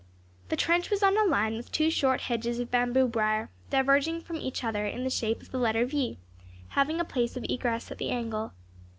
The trench was on a line with two short hedges of bamboo brier, diverging from each other in the shape of the letter V, having a place of egress at the angle.